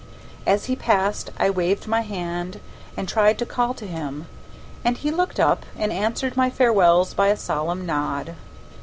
As we passed I waved my hand and tried to call to him, and he looked up and answered my farewells by a solemn nod.